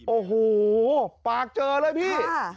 โอ้โหปากเจอเลยพี่